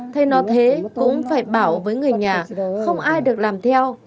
thấy nó thế cũng phải bảo với người nhà không ai được làm theo